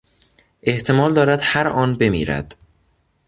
احتمال دارد هر آن بمیرد.